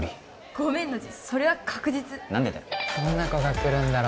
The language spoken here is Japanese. ごめんノジそれは確実何でだよ